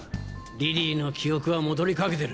リリーの記憶は戻りかけてる。